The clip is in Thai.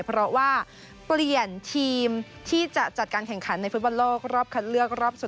เพราะว่าเปลี่ยนทีมที่จะจัดการแข่งขันในฟุตบอลโลกรอบคัดเลือกรอบ๒